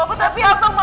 aku ingini melakukannya